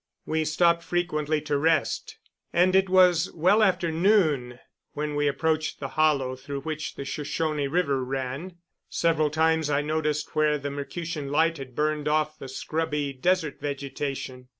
We stopped frequently to rest, and it was well after noon when we approached the hollow through which the Shoshone River ran. Several times I noticed where the Mercutian Light had burned off the scrubby desert vegetation.